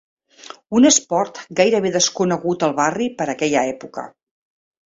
Un esport gairebé desconegut al barri per aquella època.